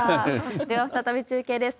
では再び中継です。